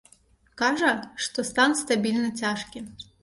Кажа, што стан стабільна цяжкі.